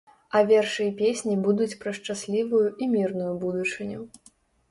А вершы і песні будуць пра шчаслівую і мірную будучыню.